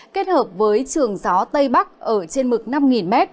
kết hợp với trường gió tây bắc ở trên mực năm m